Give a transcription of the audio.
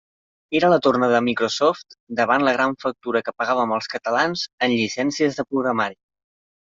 Era la torna de Microsoft davant la gran factura que pagàvem els catalans en llicències de programari.